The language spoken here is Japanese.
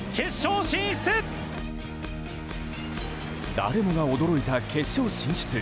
誰もが驚いた決勝進出。